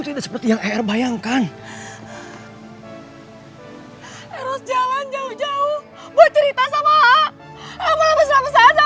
tidak seperti yang air bayangkan harus jalan jauh jauh